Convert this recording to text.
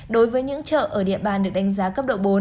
đối với những chợ ở địa bàn được đánh giá cấp độ bốn